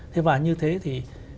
thế và như thế thì